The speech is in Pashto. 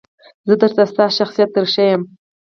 زه درته ستا شخصیت درښایم .